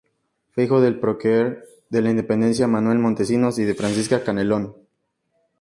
Fue hijo del prócer de la independencia Manuel Montesinos y de Francisca Canelón.